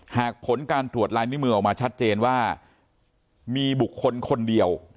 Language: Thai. หากผลการตรวจลายนิ้วมือออกมาชัดเจนว่ามีบุคคลคนเดียว